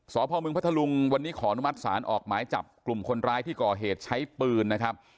สพมพัทธลุงวันนี้ขออนุมัติศาลออกหมายจับกลุ่มคนร้ายที่ก่อเหตุใช้ปืนนะครับ